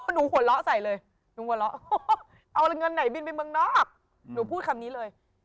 หัวเราะใส่เลยหนูหัวเราะเอาเงินไหนบินไปเมืองนอกหนูพูดคำนี้เลย